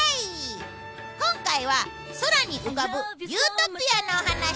今回は空に浮かぶユートピアのお話。